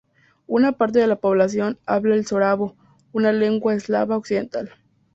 Una parte de la población habla el sorabo, una lengua eslava occidental.